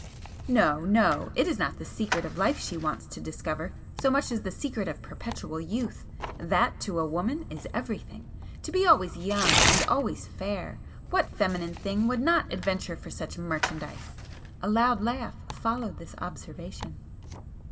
"No, no! It is not the secret of life she wants to discover so much as the secret of perpetual youth! That, to a woman, is everything! To be always young and always fair! What feminine thing would not 'adventure for such merchandise'!" A loud laugh followed this observation.